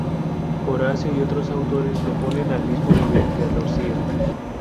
Horacio y otros autores lo ponen al mismo nivel que Roscio.